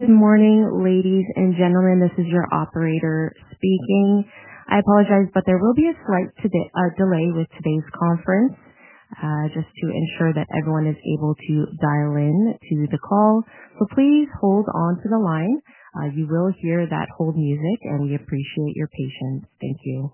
Good morning, ladies and gentlemen. This is your operator speaking. I apologize, but there will be a slight delay with today's conference, just to ensure that everyone is able to dial in to the call. Please hold onto the line. You will hear that hold music, and we appreciate your patience. Thank you.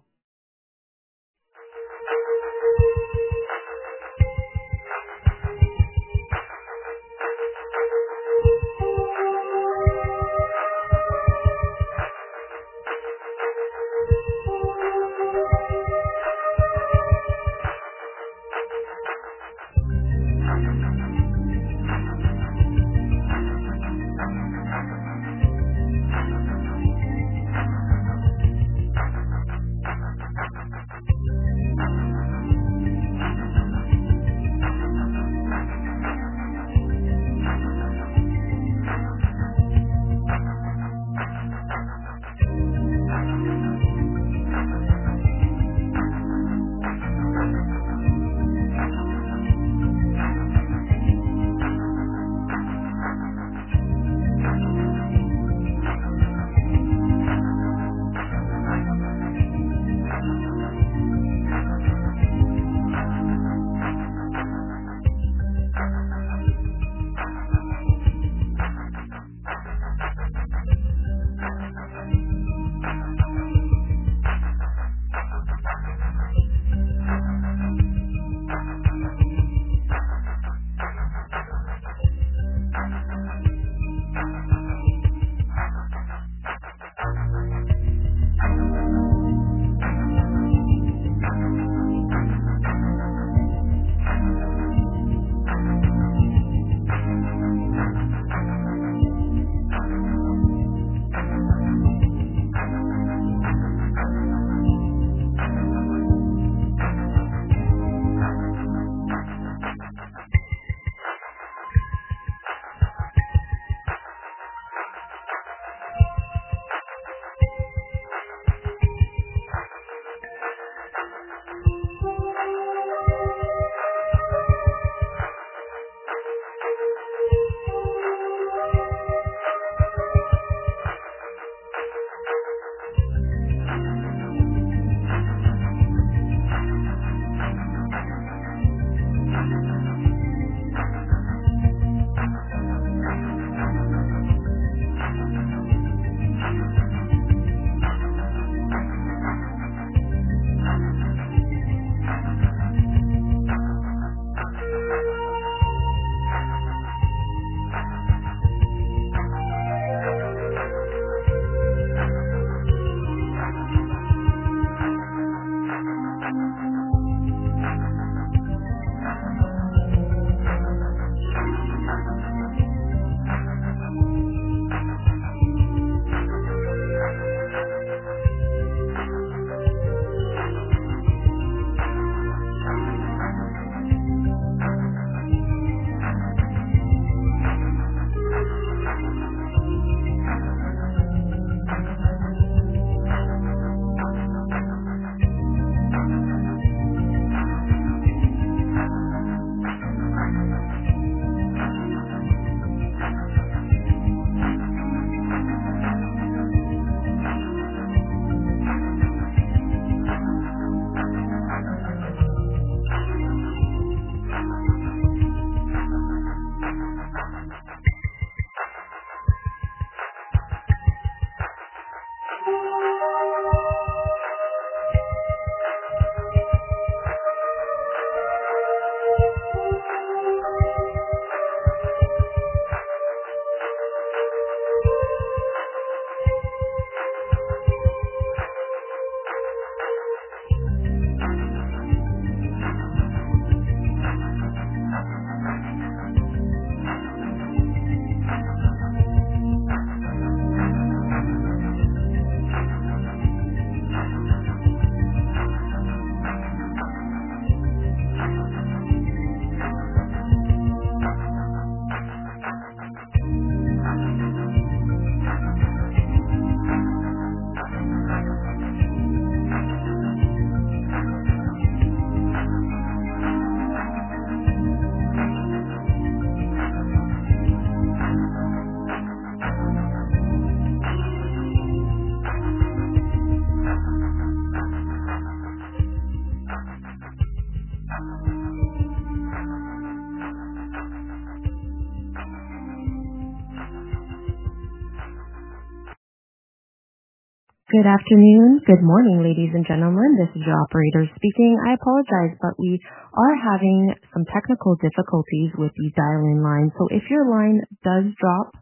Good afternoon. Good morning, ladies and gentlemen. This is your operator speaking. I apologize, but we are having some technical difficulties with the dial-in line. If your line does drop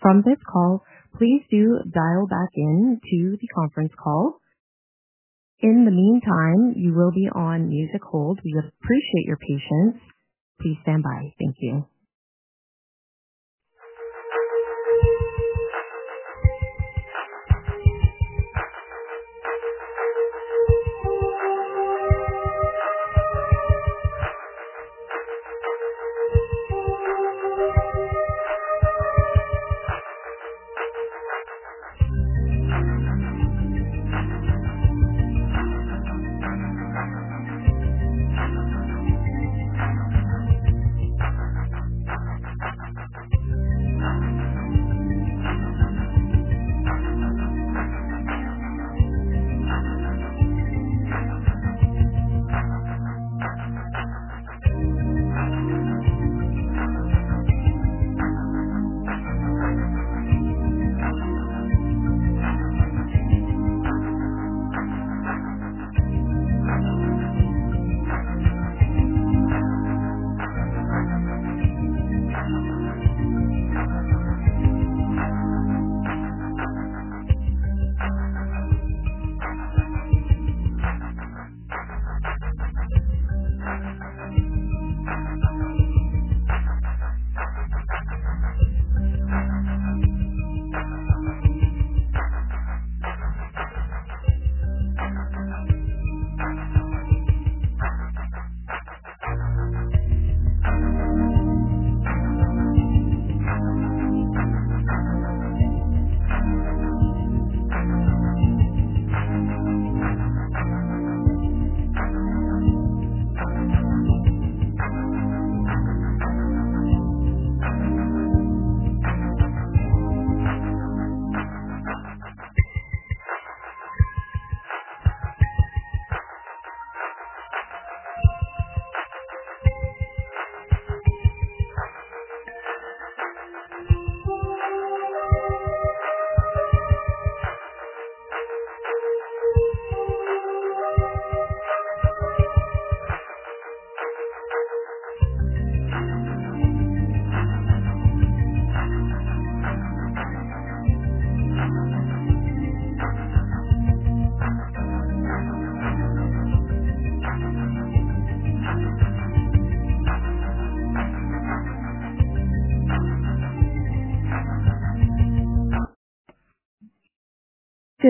from this call, please do dial back into the conference call. In the meantime, you will be on music hold. We appreciate your patience. Please stand by. Thank you.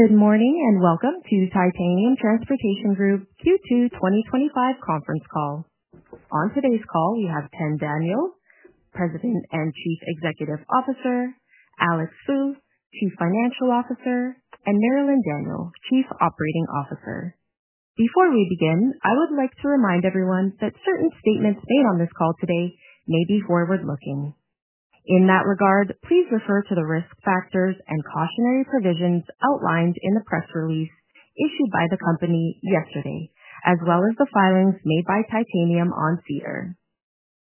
Good morning and welcome to Titanium Transportation Group Q2 2025 Conference Call. On today's call, you have Ted Daniel, President and Chief Executive Officer, Alex Fu, Chief Financial Officer, and Marilyn Daniel, Chief Operating Officer. Before we begin, I would like to remind everyone that certain statements made on this call today may be forward-looking. In that regard, please refer to the risk factors and cautionary provisions outlined in the press release issued by the company yesterday, as well as the filings made by Titanium on SEDAR.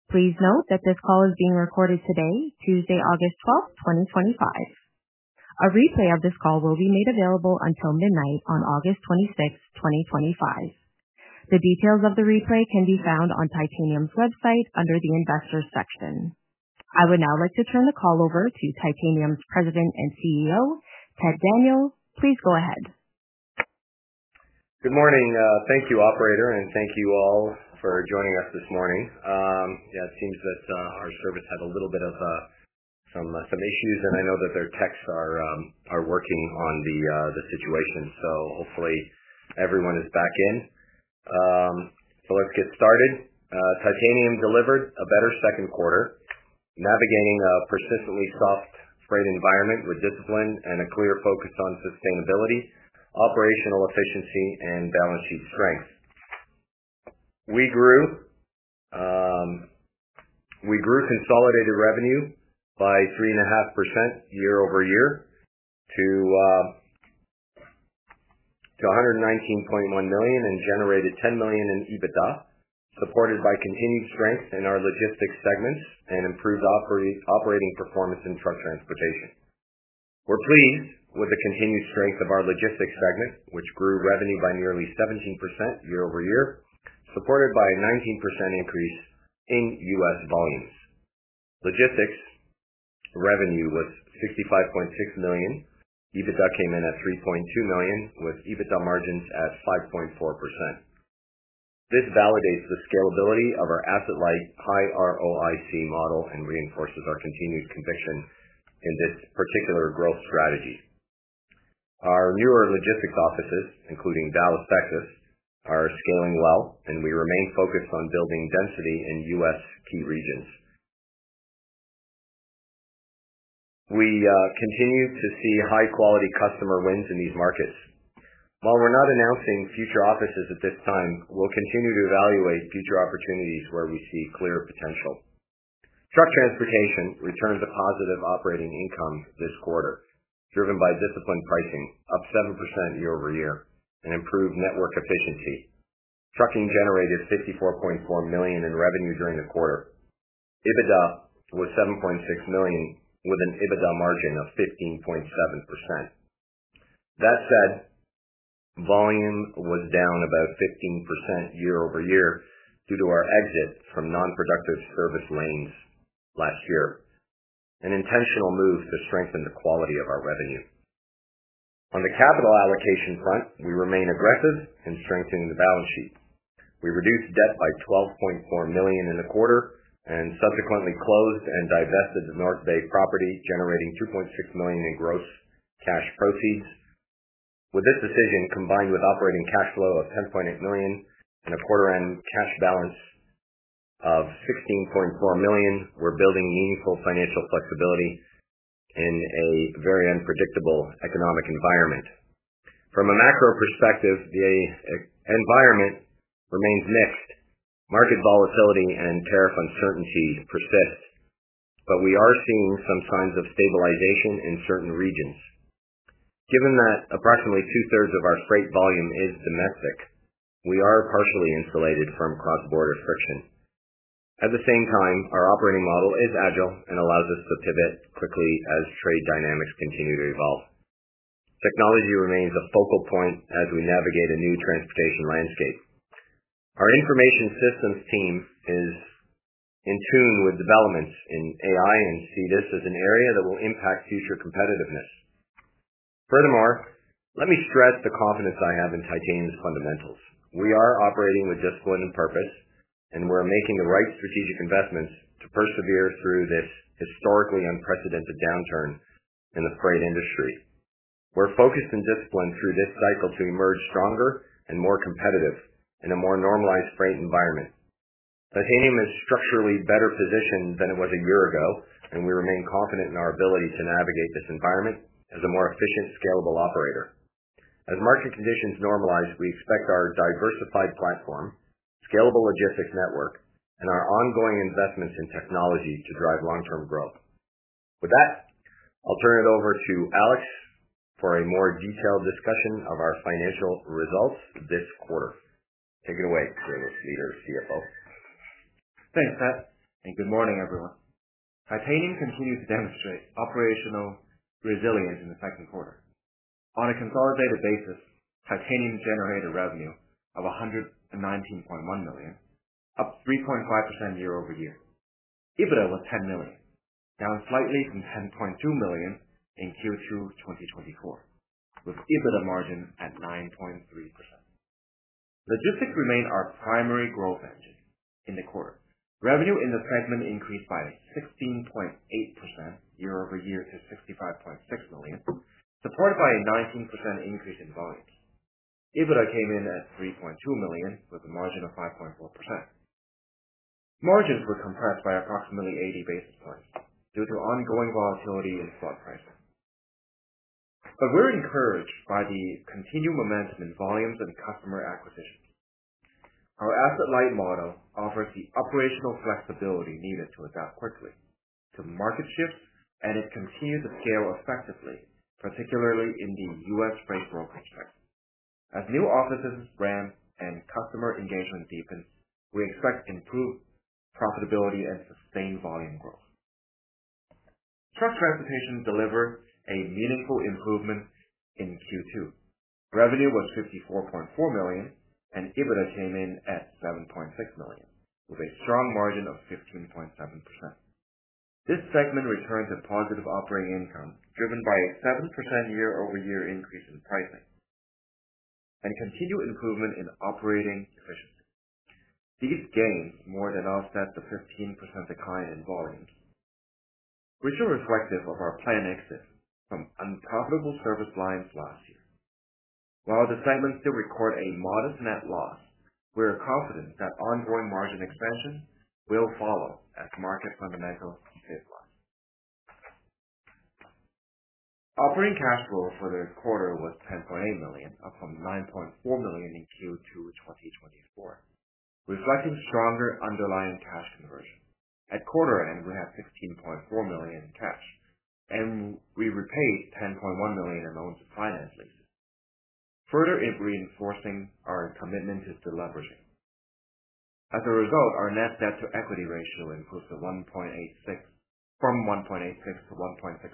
Please note that this call is being recorded today, Tuesday, August 12, 2025. A replay of this call will be made available until midnight on August 26, 2025. The details of the replay can be found on Titanium's website under the investors section. I would now like to turn the call over to Titanium's President and CEO, Ted Daniel. Please go ahead. Good morning. Thank you, operator, and thank you all for joining us this morning. It seems that our service had a little bit of some issues, and I know that their techs are working on the situation, so hopefully everyone is back in. Let's get started. Titanium delivered a better second quarter, navigating a persistently soft freight environment with discipline and a clear focus on sustainability, operational efficiency, and balance sheet strengths. We grew consolidated revenue by 3.5% year-over-year to $119.1 million and generated $10 million in EBITDA, supported by continued strength in our logistics segment and improved operating performance in truck transportation. We're pleased with the continued strength of our logistics segment, which grew revenue by nearly 17% year-over-year, supported by a 19% increase in U.S. volumes. Logistics revenue was $65.6 million. EBITDA came in at $3.2 million, with EBITDA margins at 5.4%. This validates the scalability of our asset-light high-ROIC model and reinforces our continued conviction in this particular growth strategy. Our newer logistics offices, including Dallas, Texas, are scaling well, and we remain focused on building density in U.S. key regions. We continue to see high-quality customer wins in these markets. While we're not announcing future offices at this time, we'll continue to evaluate future opportunities where we see clear potential. Truck transportation returned a positive operating income this quarter, driven by disciplined pricing up 7% year-over-year and improved network efficiency. Trucking generated $64.4 million in revenue during the quarter. EBITDA was $7.6 million with an EBITDA margin of 15.7%. That said, volume was down about 15% year-over-year due to our exit from non-productive service lanes last year, an intentional move to strengthen the quality of our revenue. On the capital allocation front, we remain aggressive in strengthening the balance sheet. We reduced debt by $12.4 million in the quarter and subsequently closed and divested the North Bay property, generating $2.6 million in gross cash proceeds. With this decision, combined with operating cash flow of $10.8 million and a quarter-end cash balance of $16.4 million, we're building meaningful financial flexibility in a very unpredictable economic environment. From a macro perspective, the environment remains mixed. Market volatility and tariff uncertainty persist, but we are seeing some signs of stabilization in certain regions. Given that approximately 2/3 of our freight volume is domestic, we are partially insulated from cross-border friction. At the same time, our operating model is agile and allows us to pivot quickly as trade dynamics continue to evolve. Technology remains a focal point as we navigate a new transportation landscape. Our information systems team is in tune with developments in AI and sees this as an area that will impact future competitiveness. Furthermore, let me stress the confidence I have in Titanium's fundamentals. We are operating with discipline and purpose, and we're making the right strategic investments to persevere through this historically unprecedented downturn in the freight industry. We're focused and disciplined through this cycle to emerge stronger and more competitive in a more normalized freight environment. Titanium is structurally better positioned than it was a year ago, and we remain confident in our ability to navigate this environment as a more efficient, scalable operator. As market conditions normalize, we expect our diversified platform, scalable logistics network, and our ongoing investments in technology to drive long-term growth. With that, I'll turn it over to Alex for a more detailed discussion of our financial results this quarter. Take it away, Alex, CFO. Thanks, Ted, and good morning, everyone. Titanium continues to demonstrate operational resilience in the second quarter. On a consolidated basis, Titanium generated a revenue of $119.1 million, up 3.5% year-over-year. EBITDA was $10 million, down slightly from $10.2 million in Q2 of 2024, with EBITDA margin at 9.3%. Logistics remained our primary growth engine in the quarter. Revenue in the segment increased by 16.8% year-over-year to $65.6 million, supported by a 19% increase in volume. EBITDA came in at $3.2 million with a margin of 5.4%. Margins were compressed by approximately 80 basis points due to ongoing volatility in stock pricing. We're encouraged by the continued momentum in volumes and customer acquisitions. Our asset-light model offers the operational flexibility needed to adapt quickly to market shifts and to continue to scale effectively, particularly in the U.S. freight brokerage sector. As new offices grant and customer engagement deepens, we expect improved profitability and sustained volume growth. Truck transportation delivered a meaningful improvement in Q2. Revenue was $54.4 million, and EBITDA came in at $7.6 million with a strong margin of 15.7%. This segment returned a positive operating income driven by a 7% year-over-year increase in pricing and continued improvement in operating efficiency. These gains more than offset the 15% decline in volumes, which are reflective of our planned exit from unprofitable service lines last year. While the segment still records a modest net loss, we are confident that ongoing margin expansion will follow as market fundamentals decline. Operating cash flow for the quarter was $10.8 million, up from $9.4 million in Q2 2024, reflecting stronger underlying cash conversion. At quarter end, we had $15.4 million in cash, and we repaid $10.1 million in loans and finance leases, further reinforcing our commitment to leveraging. As a result, our net debt-to-equity ratio improved from 1.86 to 1.66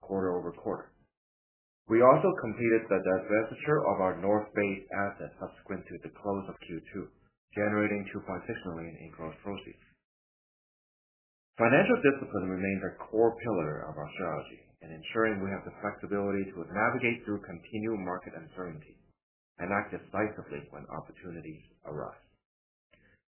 quarter-over-quarter. We also completed the divestiture of our North Bay assets at the close of Q2, generating $2.6 million in gross proceeds. Financial discipline remains a core pillar of our strategy in ensuring we have the flexibility to navigate through continued market uncertainty and act decisively when opportunities arise.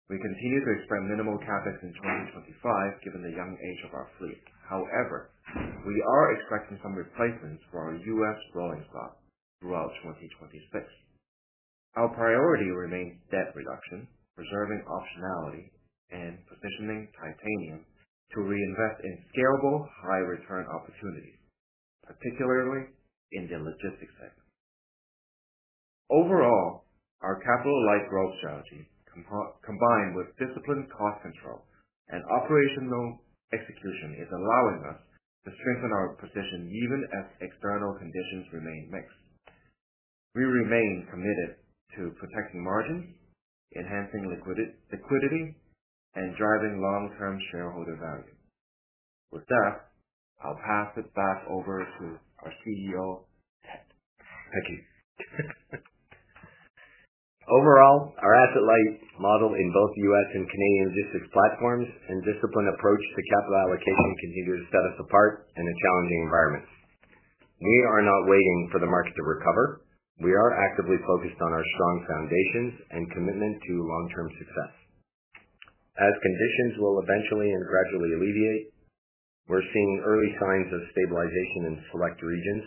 We continue to expand minimal CapEx in 2025, given the young age of our fleet. However, we are expecting some replacements for our U.S. growing slot throughout 2026. Our priority remains debt reduction, preserving optionality, and positioning Titanium to reinvest in scalable, high-return opportunities, particularly in the logistics segment. Overall, our capital-light growth strategy, combined with disciplined cost control and operational execution, is allowing us to strengthen our position even as external conditions remain mixed. We remain committed to protecting margins, enhancing liquidity, and driving long-term shareholder value. With that, I'll pass it back over to our CEO, Ted. Thank you. Overall, our asset-light model in both U.S. and Canadian logistics platforms and disciplined approach to capital allocation continue to set us apart in a challenging environment. We are not waiting for the market to recover. We are actively focused on our strong foundations and commitment to long-term success. As conditions will eventually and gradually alleviate, we're seeing early signs of stabilization in select regions.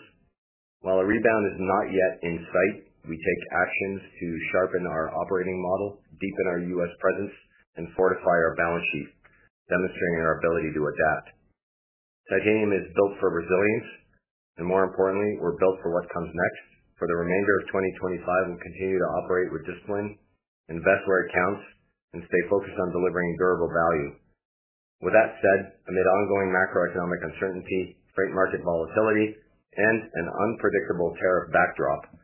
While a rebound is not yet in sight, we take actions to sharpen our operating model, deepen our U.S. presence, and fortify our balance sheet, demonstrating our ability to adapt. Titanium is built for resilience, and more importantly, we're built for what comes next for the remainder of 2025 and continue to operate with discipline, invest where it counts, and stay focused on delivering durable value. With that said, amid ongoing macroeconomic uncertainty, freight market volatility, and an unpredictable tariff backdrop,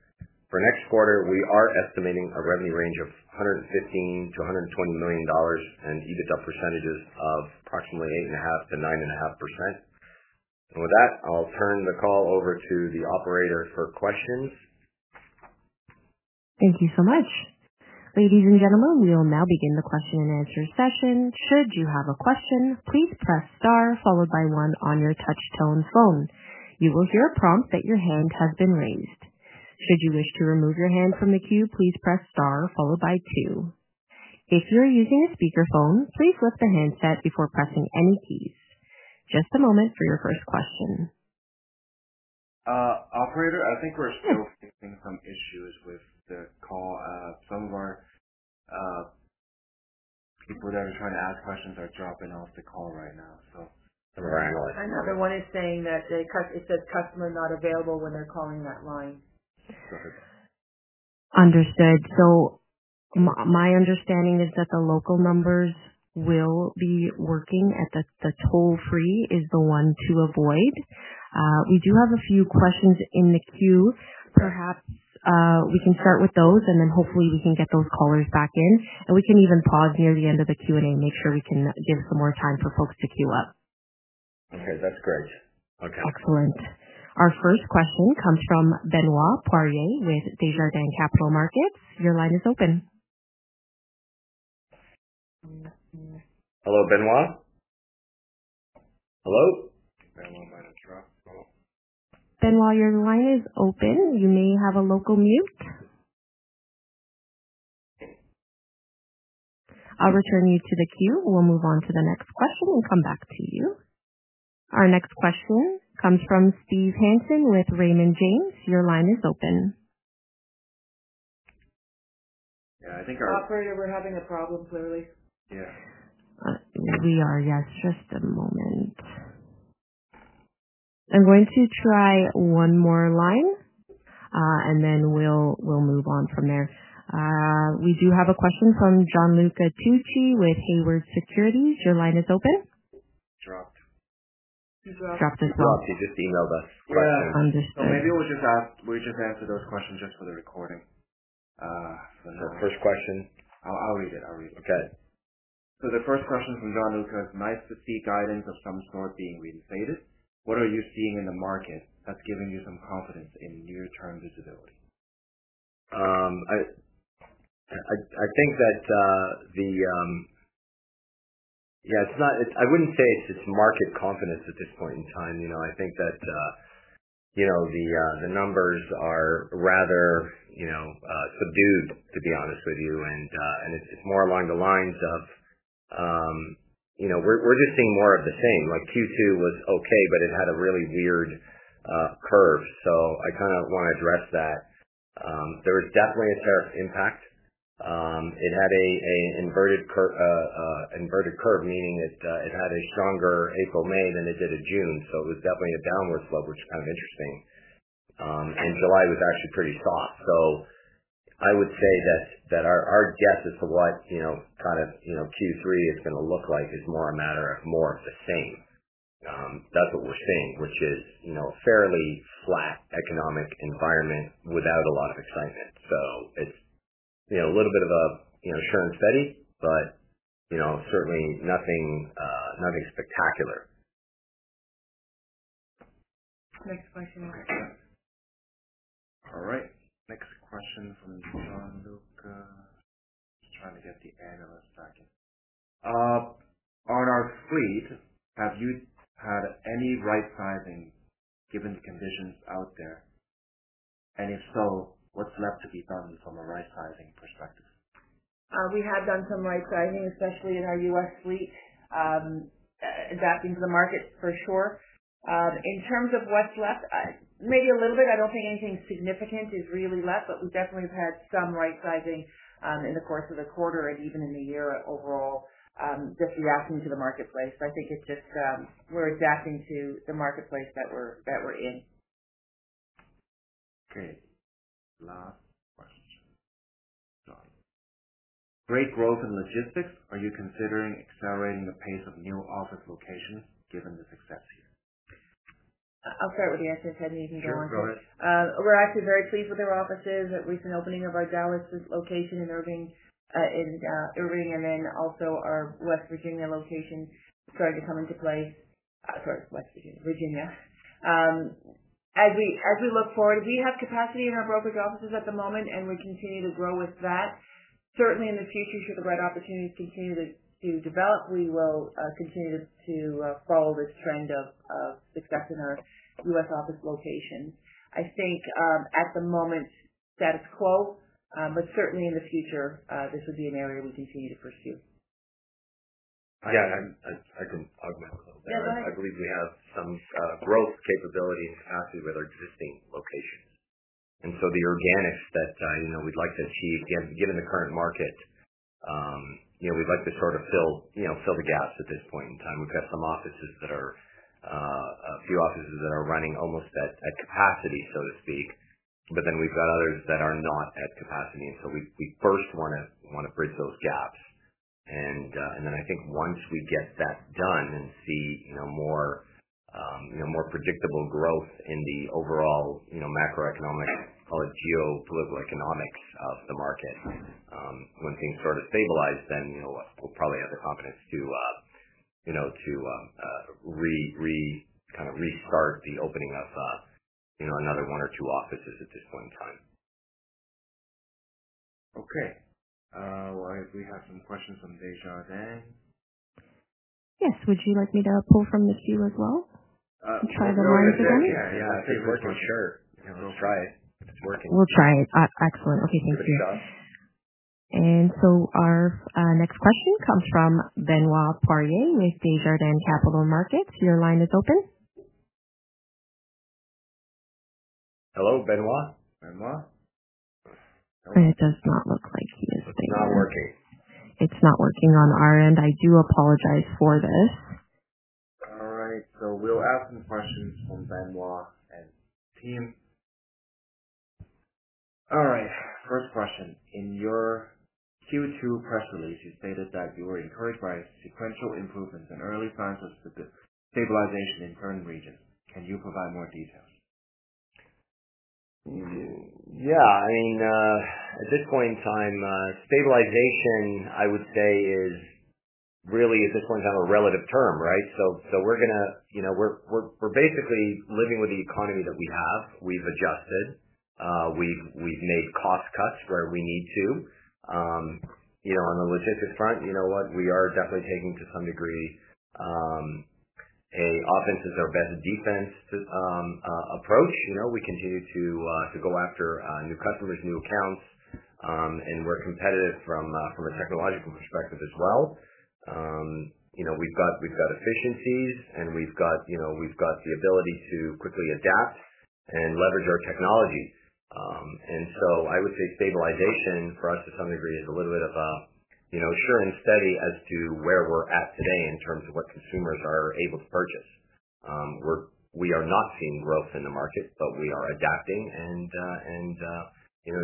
for next quarter, we are estimating a revenue range of $115 million to $120 million and EBITDA percentages of approximately 8.5%-9.5%. With that, I'll turn the call over to the operator for questions. Thank you so much. Ladies and gentlemen, we will now begin the question-and-answer session. Should you have a question, please press star followed by one on your touch-tone phone. You will hear a prompt that your hand has been raised. Should you wish to remove your hand from the queue, please press star followed by two. If you are using a speakerphone, please lift the handset before pressing any keys. Just a moment for your first question. Operator, I think we're still seeing some issues with the call. Some of our people that are trying to ask questions are dropping off the call right now, some of our analysts. Everyone is saying that it says customer not available when they're calling that line. Understood. My understanding is that the local numbers will be working and the toll-free is the one to avoid. We do have a few questions in the queue. Perhaps we can start with those, and then hopefully we can get those callers back in. We can even pause near the end of the Q&A and make sure we can give some more time for folks to queue up. Okay, that's great. Okay. Excellent. Our first question comes from Benoit Poirier with Desjardins Capital Markets. Your line is open. Hello, Benoit. Hello? Benoit, your line is open. You may have a local mute. I'll return you to the queue. We'll move on to the next question. We'll come back to you. Our next question comes from Steve Hansen with Raymond James. Your line is open. Yeah, I think our. Operator, we're having a problem, clearly. Yeah. We are. Just a moment. I'm going to try one more line, and then we'll move on from there. We do have a question from Gianluca Tucci with Hangar Securities. Your line is open. Dropped. Dropped. Dropped as well. Dropped. He just emailed us right now. Yeah, understood. Maybe we'll just answer those questions just for the recording. The first question, I'll read it. The first question from Gianluca, it's nice to see guidance of some sort being reinstated. What are you seeing in the market that's giving you some confidence in near-term visibility? I think that it's not, I wouldn't say it's just market confidence at this point in time. I think that the numbers are rather subdued, to be honest with you. It's more along the lines of we're just seeing more of the same. Q2 was okay, but it had a really weird curve. I kind of want to address that. There was definitely a tariff impact. It had an inverted curve, meaning that it had a stronger April-May than it did in June. It was definitely a downward slope, which is kind of interesting. July was actually pretty soft. I would say that our guess as to what Q3 is going to look like is more a matter of more of the same. That's what we're seeing, which is a fairly flat economic environment without a lot of excitement. It's a little bit of a churn steady, but certainly nothing spectacular. Next question, Mark. All right. Next question from Gianluca. Trying to get the analysts talking. On our fleet, have you had any rightsizing given the conditions out there? If so, what's left to be done from a rightsizing perspective? We have done some rightsizing, especially in our U.S. fleet, adapting to the markets for sure. In terms of what's left, maybe a little bit. I don't think anything significant is really left, but we definitely have had some rightsizing in the course of the quarter and even in the year overall, just adapting to the marketplace. I think it's just, we're adapting to the marketplace that we're in. Okay. Last question. Great growth in logistics. Are you considering accelerating the pace of new office locations given the success here? I'll start with the assets. Anything that wants to. Go ahead. We're actually very pleased with our offices. The recent opening of our Dallas location in Irving and then also our Virginia location is starting to come into play. As we look forward, we have capacity in our brokerage offices at the moment, and we continue to grow with that. Certainly, in the future, should the right opportunities continue to develop, we will continue to follow this trend of success in our U.S. office locations. I think at the moment, status quo, but certainly in the future, this would be an area we continue to pursue. Yeah, I can probe a little bit. I believe you have some growth capability in capacity with our existing locations. The organics that we'd like to achieve, given the current market, we'd like to sort of fill the gaps at this point in time. We've got a few offices that are running almost at capacity, so to speak, but then we've got others that are not at capacity. We first want to bridge those gaps, and then I think once we get that done and see more predictable growth in the overall macroeconomics or geopolitical economics of the market, when things start to stabilize, we'll probably have the confidence to kind of restart the opening of another one or two offices at this point in time. I guess we have some questions from Desjardins. Yes. Would you like me to pull from this view as well? I'm trying to remind everybody. I think it's working, sure. We'll try it. Excellent. Okay, thank you. Our next question comes from Benoit Poirier with Desjardins Capital Markets. Your line is open. Hello, Benoit. Benoit. It does not look like he is there. It's not working. It's not working on our end. I do apologize for this. All right. We'll ask some questions from Benoit and team. First question. In your Q2 press release, you stated that you were encouraged by sequential improvements and early signs of stabilization in certain regions. Can you provide more details? At this point in time, stabilization, I would say, is really a relative term, right? We are basically living with the economy that we have. We've adjusted. We've made cost cuts where we need to. On the logistics front, we are definitely taking to some degree, you know, offenses are better than defense to approach. We continue to go after new customers, new accounts, and we're competitive from a technological perspective as well. We've got efficiencies, and we've got the ability to quickly adapt and leverage our technology. I would say stabilization for us, to some degree, is a little bit of a sure and steady as to where we're at today in terms of what consumers are able to purchase. We are not seeing growth in the markets, but we are adapting and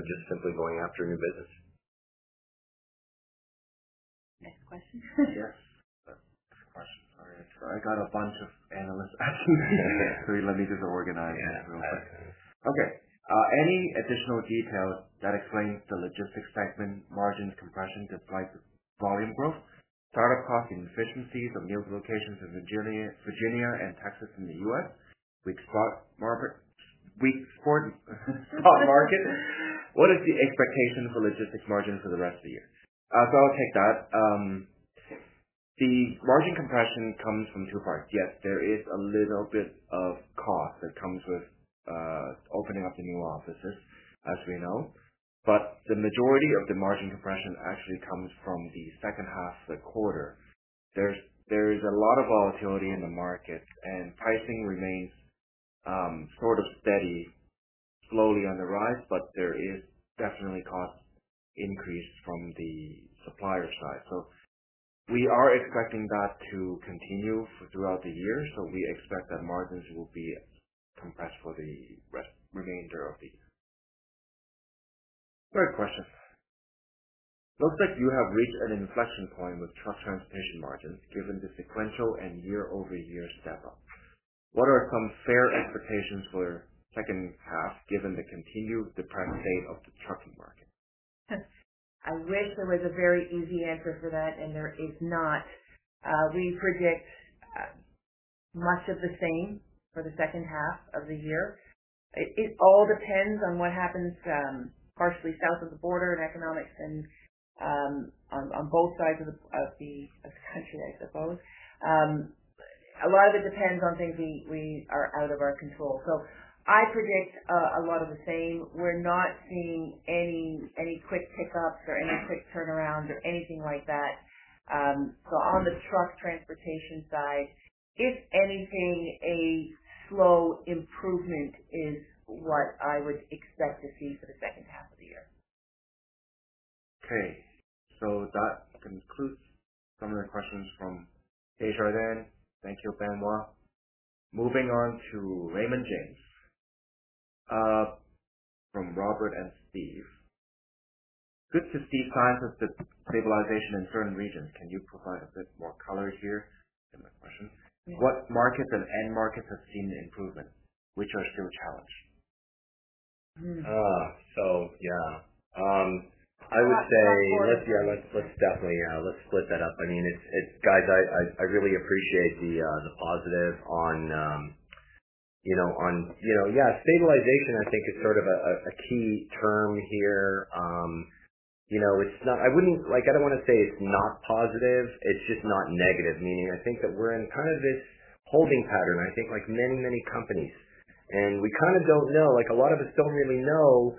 just simply going after new business. Next question. Yes. Sorry. I got a bunch of analysts asking me. Let me just organize everyone's questions. Okay. Any additional details that explain the logistics segment margins compressing despite volume growth? Started clocking efficiencies of new locations in Virginia and Texas in the U.S. We've scored the spot market. What is the expectation for logistics margins for the rest of the year? I'll take that. The margin compression comes from two parts. Yes, there is a little bit of cost that comes with opening up the new offices, as we know. The majority of the margin compression actually comes from the second half of the quarter. There is a lot of volatility in the markets, and pricing remains sort of steady, slowly on the rise, but there is definitely cost increase from the supplier side. We are expecting that to continue throughout the year. We expect that margins will be compressed for the remainder of the year. Great question. Looks like you have reached an inflection point with truck transportation margins, given the sequential and year-over-year step-up. What are some fair expectations for the second half, given the continued depressed state of the trucking market? I wish there was a very easy answer for that, and there is not. We predict much of the same for the second half of the year. It all depends on what happens, partially south of the border and economics, and on both sides of the country, I suppose. A lot of it depends on things that are out of our control. I predict a lot of the same. We're not seeing any quick hiccups or any quick turnaround or anything like that. On the truck transportation side, if anything, a slow improvement is what I would expect to see for the second half of the year. Okay. That concludes some of the questions from Desjardins. Thank you, Benoit. Moving on to Raymond James from Robert and Steve. Good to see signs of the stabilization in certain regions. Can you provide a bit more color here in the question? What markets and end markets have seen the improvement, which are still challenged? I would say, let's definitely split that up. I mean, I really appreciate the positives on stabilization. I think stabilization is sort of a key term here. It's not, I wouldn't like, I don't want to say it's not positive. It's just not negative, meaning I think that we're in kind of this holding pattern, like many, many companies. We kind of don't know, like a lot of us don't really know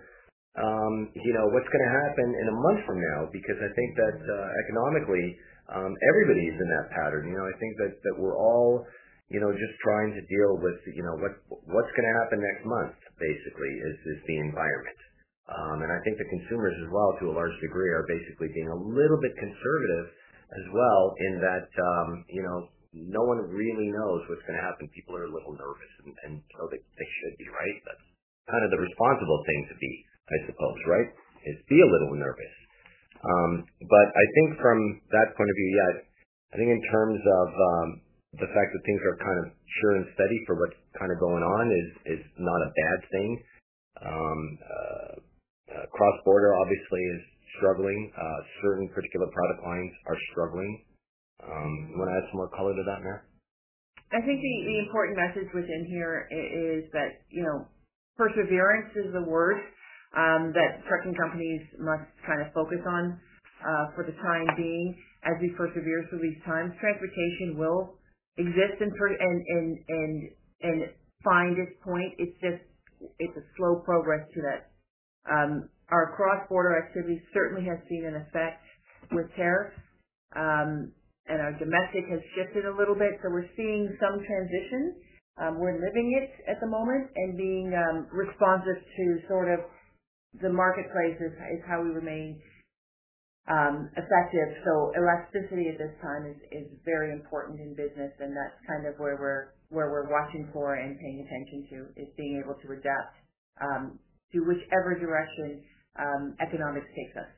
what's going to happen a month from now because I think that economically, everybody is in that pattern. I think that we're all just trying to deal with what's going to happen next month, basically, is the environment. I think the consumers as well, to a large degree, are basically being a little bit conservative as well in that no one really knows what's going to happen. People are a little nervous, and so they should be, right? That's kind of the responsible thing to be, I suppose, right, is be a little nervous. I think from that point of view, in terms of the fact that things are kind of sure and steady for what's going on, is not a bad thing. Cross-border obviously is struggling. Certain particular product lines are struggling. You want to add some more color to that, Marilyn? I think the important message within here is that, you know, perseverance is the word that trucking companies must kind of focus on for the time being. As we persevere through these times, transportation will exist and find its point. It's just, it's a slow progress to that. Our cross-border activity certainly has seen an effect with care, and our domestic has shifted a little bit. We're seeing some transition. We're living it at the moment and being responsive to sort of the marketplace is how we remain effective. Elasticity at this time is very important in business. That's kind of where we're watching for and paying attention to, being able to adapt to whichever direction economics takes us.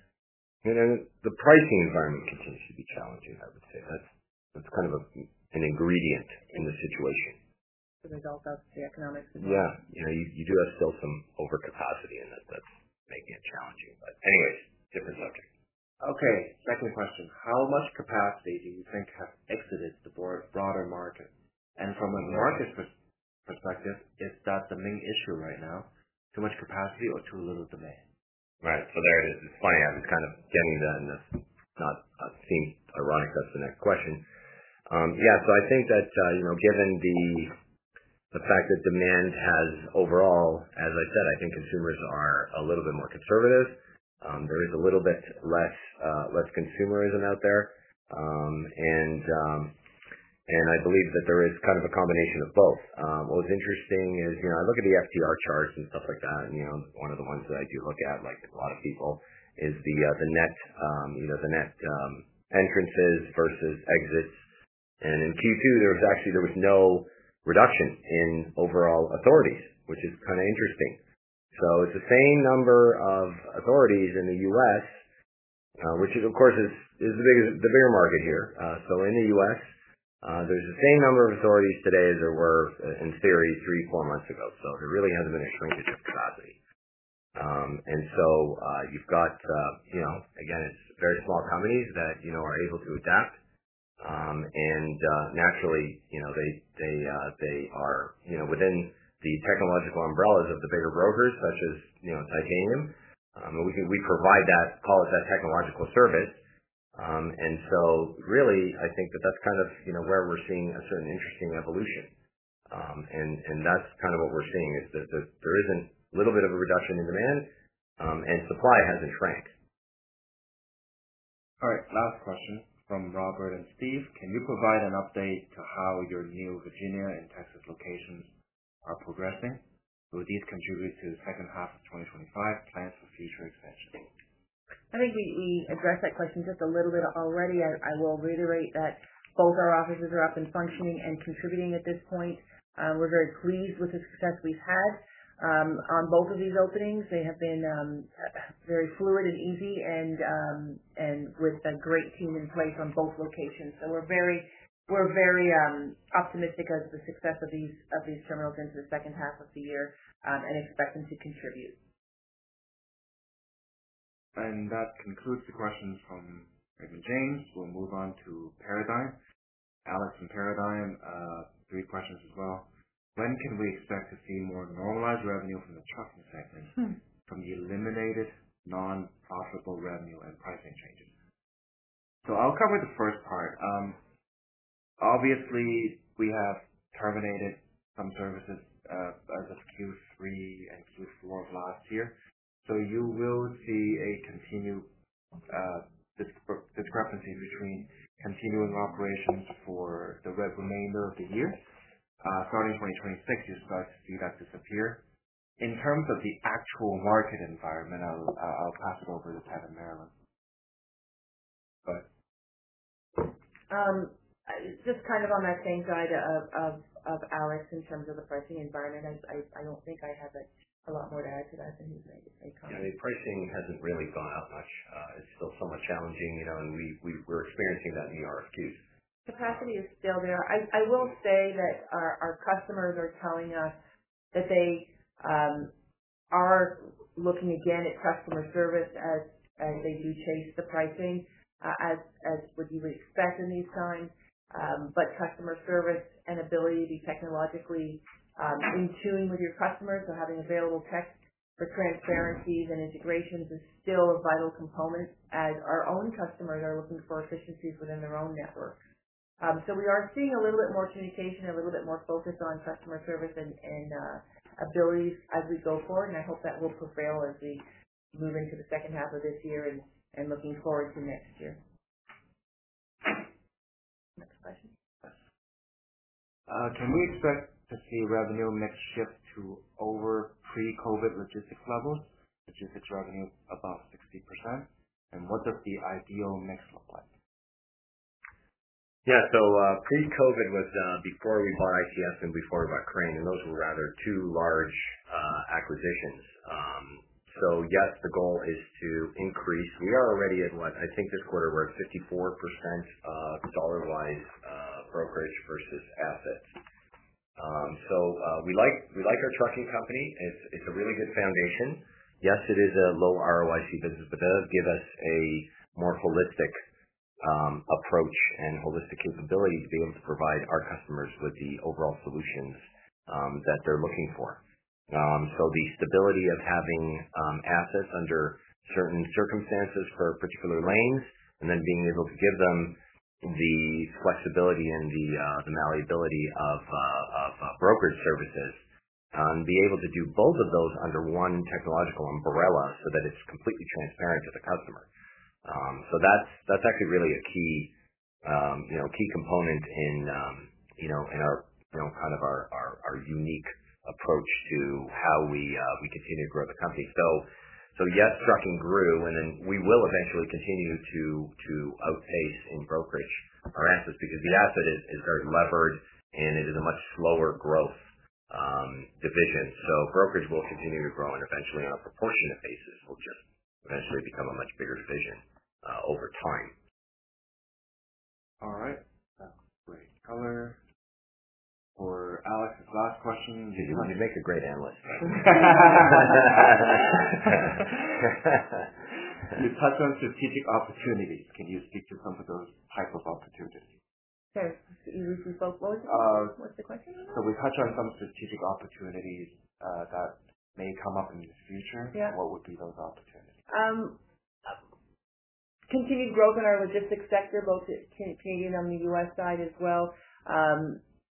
The pricing environment continues to be challenging. I would say that's kind of an ingredient in this situation. The result of the economics? You do have still some overcapacity in that. That's making it challenging. Okay. Second question. How much capacity do you think has exited the broader market? From a market perspective, is that the main issue right now? Too much capacity or too little demand? Right. It's funny. I was kind of getting that, and it's not ironic that's the next question. I think that, you know, given the fact that demand has overall, as I said, I think consumers are a little bit more conservative. There is a little bit less consumerism out there, and I believe that there is kind of a combination of both. What was interesting is, you know, I look at the FTR charts and stuff like that. One of the ones that I do look at, like a lot of people, is the net entrances versus exits. In Q2, there was actually no reduction in overall authorities, which is kind of interesting. It's the same number of authorities in the U.S., which is, of course, the bigger market here. In the U.S., there's the same number of authorities today as there were, in theory, three, four months ago. It really hasn't been a string to check capacity. You've got very small companies that are able to adapt. Naturally, they are within the technological umbrellas of the bigger brokers, such as Titanium, and we provide that, call it that technological service. I think that that's kind of where we're seeing a certain interesting evolution. That's kind of what we're seeing, that there is a little bit of a reduction in demand, and supply hasn't shrank. All right. Last question from Robert and Steve. Can you provide an update to how your new Virginia and Texas locations are progressing? Will these contribute to the second half of 2025 plans for future expansion? I think we addressed that question just a little bit already. I will reiterate that both our offices are up and functioning and contributing at this point. We're very pleased with the success we've had on both of these openings. They have been very fluid and easy, with a great team in place at both locations. We're very optimistic of the success of these terminals into the second half of the year and expect them to contribute. That concludes the questions from Raymond James. We'll move on to Paradigm. Alex and Paradigm, three questions as well. When can we expect to see more normalized revenue from the trucking segment from the eliminated non-profitable revenue and pricing changes? I'll cover the first part. Obviously, we have terminated some services as of Q3 and Q4 of last year. You will see a continued discrepancy between continuing operations for the remainder of the year. Starting 2026, you start to see that disappear. In terms of the actual market environment, I'll pass it over to Ted and Marilyn. Go ahead. It's just kind of on that same side of Alex in terms of the pricing environment. I don't think I have a lot more to add to that than he's made a comment. Yeah, the pricing hasn't really gone out much. It's still somewhat challenging, you know, and we're experiencing that in the RFQs. Capacity is still there. I will say that our customers are telling us that they are looking again at customer service as they do chase the pricing, as would you expect in these times. Customer service and ability to be technologically in tune with your customers, so having available tech for transparencies and integrations, is still a vital component as our own customers are looking for efficiencies within their own network. We are seeing a little bit more communication and a little bit more focus on customer service and abilities as we go forward. I hope that will prevail as we move into the second half of this year and looking forward to next year. Next question. Can we expect to see revenue mix shift to over pre-COVID logistics levels, logistics revenue above 60%? What does the ideal mix look like? Yeah. Pre-COVID was before we bought ITS and before we bought Crane, and those were rather two large acquisitions. Yes, the goal is to increase. We are already at what I think this quarter we're at 54% of the dollar-wise, brokerage versus assets. We like our trucking company. It's a really good foundation. Yes, it is a low ROIC business, but it does give us a more holistic approach and holistic capability to be able to provide our customers with the overall solutions that they're looking for. The stability of having assets under certain circumstances for particular lanes and then being able to give them the flexibility and the malleability of brokerage services, and be able to do both of those under one technological umbrella so that it's completely transparent to the customer. That's actually really a key component in our unique approach to how we continue to grow the company. Trucking grew, and we will eventually continue to outpace on brokerage our assets because the asset is very levered and it is a much slower growth division. Brokerage will continue to grow and eventually our proportion to face it will just eventually become a much bigger division over time. All right. That's great color for Alex's last question. You make a great analyst. You touched on strategic opportunities. Can you speak to some of those types of opportunities? Sorry, can you repeat both words? What's the question? We touched on some strategic opportunities that may come up in the future. What would be those opportunities? Continued growth in our logistics sector continued on the U.S. side as well.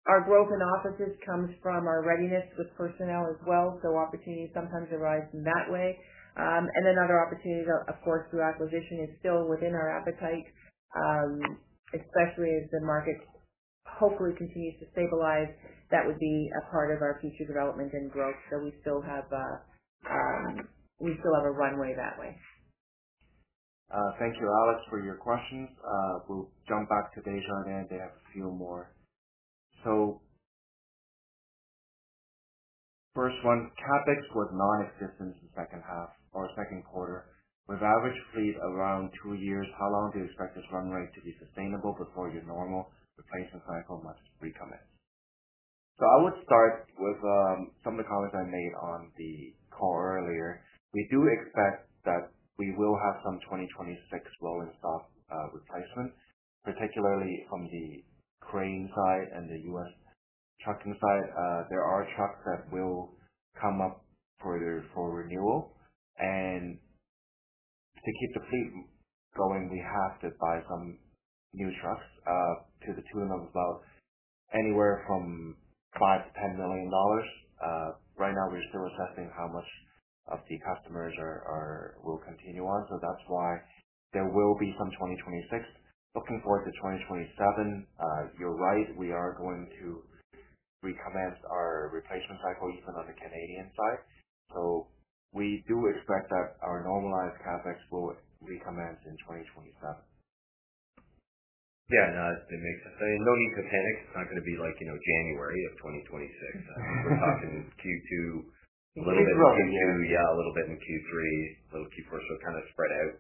Our growth in offices comes from our readiness with personnel as well. Opportunities sometimes arise in that way, and then other opportunities, of course, through acquisition are still within our appetite, especially as the market hopefully continues to stabilize. That would be a part of our future development and growth. We still have a runway that way. Thank you, Alex, for your questions. We'll jump back to Desjardins to ask a few more. First one, CapEx was non-existent in the second half or second quarter. With average paid around two years, how long do you expect this runway to be sustainable before your normal replacement cycle must recommence? I would start with some of the comments I made on the call earlier. We do expect that we will have some 2026 low-in-stock replacements, particularly from the Crane Transport side and the U.S. trucking side. There are trucks that will come up for renewal. To keep the fleet going, we have to buy some new trucks to the tune of about anywhere from $5 million to $10 million. Right now, we're still assessing how much of the customers will continue on. That's why there will be some 2026. Looking forward to 2027, you're right, we are going to recommence our replacement cycle even on the Canadian side. We do expect that our normalized CapEx will recommence in 2027. Yeah, that makes sense. I mean, no need to panic. It's not going to be, you know, January of 2026. We're talking Q2, a little bit in Q2, a little bit in Q3, a little Q4, so kind of spread out.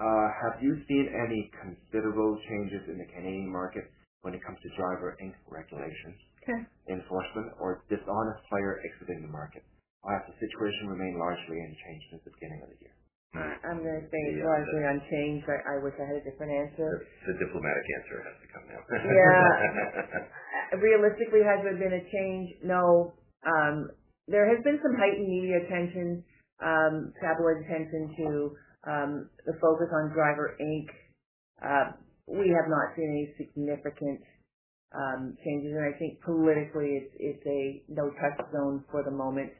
Have you seen any considerable changes in the Canadian market when it comes to driver incorrigible relations enforcement or dishonest fire exiting the market, or has the situation remained largely unchanged since the beginning of the year? I'm going to say largely unchanged. I wish I had a different answer. It's a diplomatic answer. It has to come now. Realistically, has there been a change? No. There has been some heightened media attention, tabloid attention to the focus on driver ink. We have not seen any significant changes. I think politically, it's a no-touch zone for the moment.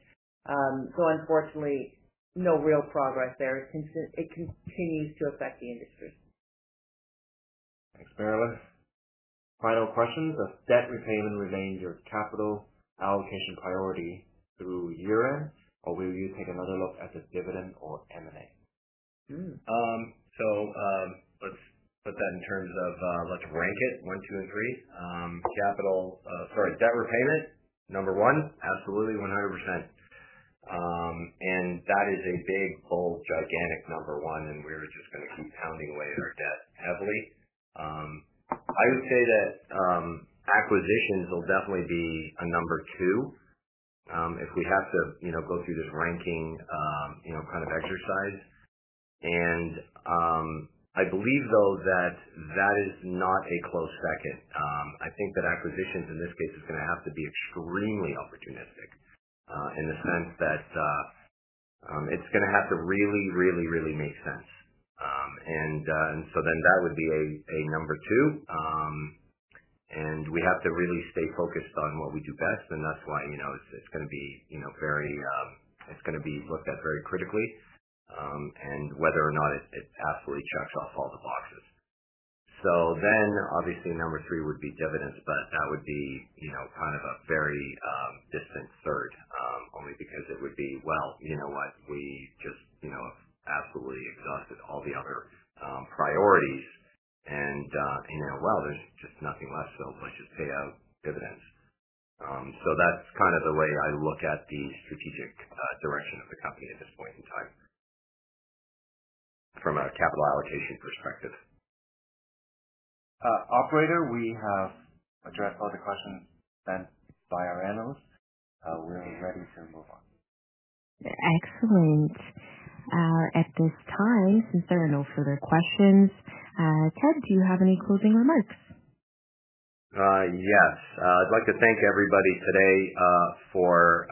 Unfortunately, no real progress there. It continues to affect the industry. Thanks, Marilyn. Final questions. If debt repayment remains your capital allocation priority through year-end, will you take another look at the dividend or M&A? Let's put that in terms of, let's rank it one, two, and three. Debt repayment, number one, absolutely 100%. That is a big, whole, gigantic number one, and we're just going to keep pounding away at our debt heavily. I would say that acquisitions will definitely be a number two, if we have to go through this ranking kind of exercise. I believe, though, that is not a close second. I think that acquisitions, in this case, are going to have to be extremely opportunistic, in the sense that it's going to have to really, really, really make sense. That would be a number two. We have to really stay focused on what we do best. That's why it's going to be looked at very critically, and whether or not it absolutely checks off all the boxes. Obviously, number three would be dividends, but that would be a very distant third, only because it would be, you know what? We just absolutely exhausted all the other priorities, and there's just nothing left, so let's just pay out dividends. That's kind of the way I look at the strategic direction of the company at this point in time from a capital allocation perspective. Operator, we have addressed all the questions sent by our analysts. We're ready to move on. Excellent. At this time, since there are no further questions, Ted, do you have any closing remarks? Yes. I'd like to thank everybody today for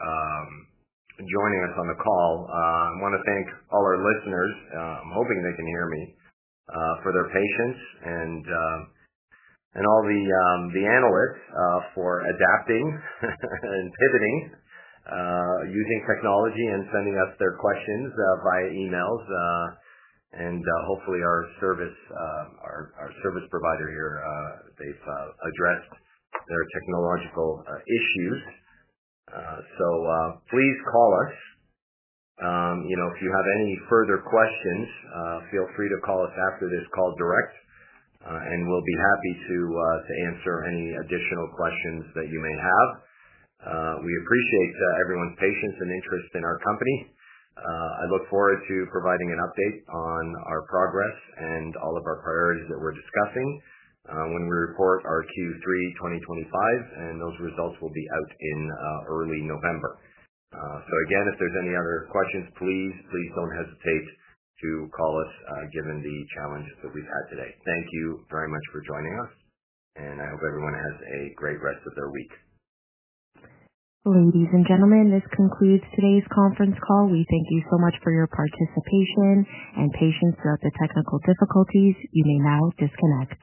joining us on the call. I want to thank all our listeners. I'm hoping they can hear me, for their patience and all the analysts for adapting and pivoting, using technology and sending us their questions via emails. Hopefully, our service provider here has addressed their technological issues. Please call us if you have any further questions, feel free to call us after this call directly, and we'll be happy to answer any additional questions that you may have. We appreciate everyone's patience and interest in our company. I look forward to providing an update on our progress and all of our priorities that we're discussing when we report our Q3 2025, and those results will be out in early November. If there's any other questions, please don't hesitate to call us, given the challenge that we've had today. Thank you very much for joining us, and I hope everyone has a great rest of their week. Ladies and gentlemen, this concludes today's conference call. We thank you so much for your participation and patience throughout the technical difficulties. You may now disconnect.